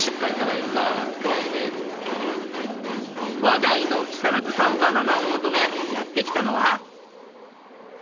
話題の木更津産バナナを求めやって来たのは。